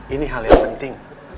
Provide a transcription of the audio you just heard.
ini hal yang penting